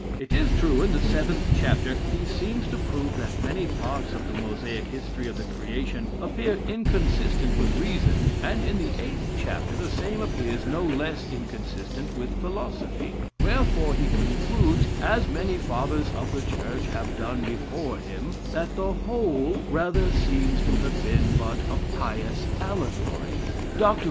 It is true, in the seventh chapter he seems to prove that many parts of the Mosaic history of the creation appear inconsistent with reason, and in the eighth chapter the same appears no less inconsistent with philosophy; wherefore he concludes (as many fathers of the Church have done before him) that the whole rather seems to have been but a pious allegory." Dr.